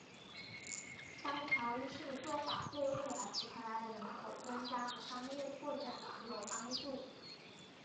桑乔一世的做法对未来葡萄牙的人口增加和商业扩展很有帮助。